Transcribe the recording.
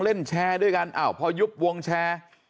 เล่นแชร์ด้วยกันอ้าวพอยุบวงแชร์